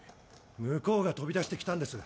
向こうが飛び出してきたんです。